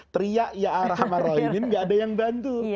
teriak ya'arrahmarrohinin tidak ada yang membantu